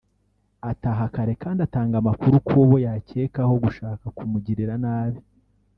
ataha kare kandi atanga amakuru ku bo yakekaho gushaka kumugirira nabi